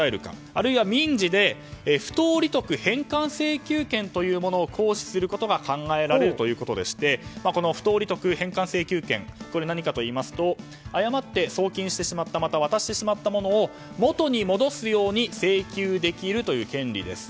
あるいは民事で不当利得返還請求権というものを行使することが考えられるということでして不当利得返還請求権とは何かといいますと誤って送金してしまったまた渡してしまったものを元に戻すように請求できるという権利です。